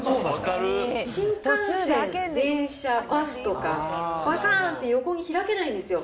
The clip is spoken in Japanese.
新幹線、電車、バスとか、ぱかんって横に開けないんですよ。